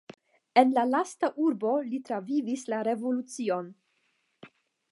En la lasta urbo li travivis la revolucion.